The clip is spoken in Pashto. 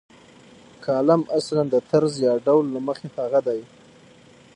کالم اصلاً د طرز یا ډول له مخې هغه دی.